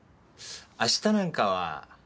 明日なんかは。